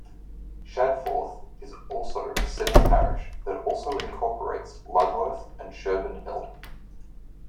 Shadforth is also a civil parish that also incorporates Ludworth and Sherburn Hill.